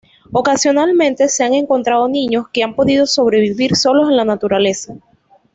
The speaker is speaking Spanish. Ocasionalmente se han encontrado niños que han podido sobrevivir solos en la naturaleza.